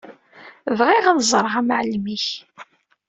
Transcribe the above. Bɣiɣ ad ẓreɣ amɛellem-ik.